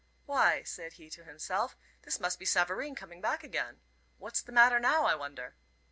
"Why," said he to himself, "this must be Savareen coming back again. What's the matter now, I wonder?"